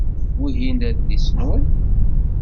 Wihin d adlis-nwen?